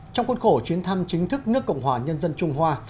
trong cuốn khổ chuyến thăm chính thức nước cộng hòa nhân dân trung hoa